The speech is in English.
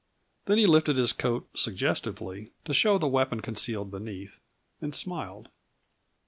Then he lifted his coat suggestively, to show the weapon concealed beneath, and smiled.